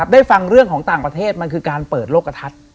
ได้ฟังเรื่องของต่างประเทศมันคือการเปิดโลกกระทัด